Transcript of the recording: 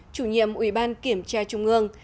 chủ nhiệm ủy ban kiểm tra trung ương